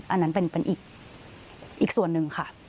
อันนั้นเป็นอีกส่วนหนึ่งค่ะ